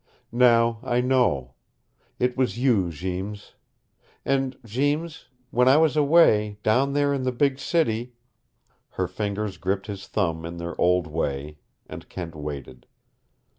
Now I know. It was you, Jeems. And, Jeems, when I was away down there in the big city " Her fingers gripped his thumb in their old way, and Kent waited.